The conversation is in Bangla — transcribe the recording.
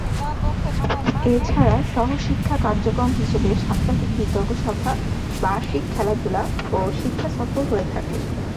এছাড়া সহ-শিক্ষা কার্যক্রম হিসেবে সাপ্তাহিক বিতর্ক সভা, বার্ষিক খেলাধুলা ও শিক্ষা সফর হয়ে থাকে।